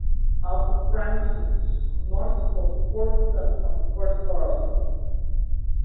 Arthur Francis Northcote, fourth son of the first Earl.